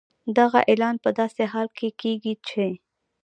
دغه اعلان په داسې حال کې کېږي چې